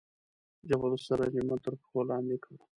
جبل السراج مو تر پښو لاندې کړ.